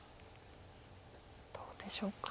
どうでしょうか。